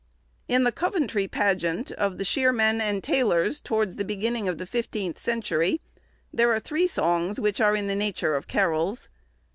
In the Coventry pageant of the Shearmen and Tailors, towards the beginning of the fifteenth century, there are three songs which are in the nature of carols.